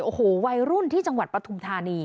โอ้โหวัยรุ่นที่จังหวัดปฐุมธานี